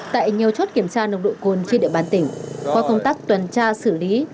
tại nhiều chốt kiểm tra nồng độ cồn trên địa bàn tỉnh qua công tác tuần tra xử lý